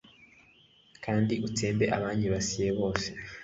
kandi utsembe abanyibasiye bose